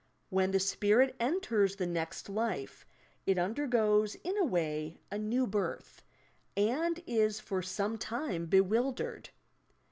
When the spirit enters the next life, it undergoes in a way a "new birth," and is for some time bewildered.